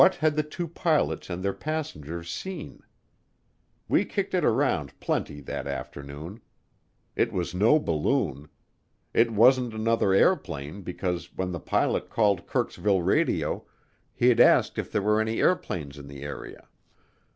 What had the two pilots and their passenger seen? We kicked it around plenty that afternoon. It was no balloon. It wasn't another airplane because when the pilot called Kirksville Radio he'd asked if there were any airplanes in the area.